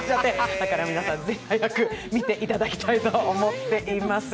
だから皆さん、ぜひ早く見ていただきたいと思っています。